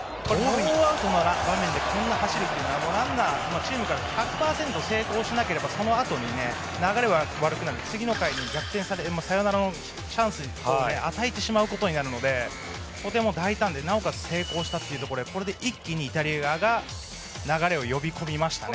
ノーアウトの場面でこんなに走るというのはチームから１００％成功しなければそのあと流れが悪くなって次の回にサヨナラのチャンスを与えてしまうことになるのでとても大胆でなおかつ成功したということでこれで一気にイタリアが流れを呼び込みましたね。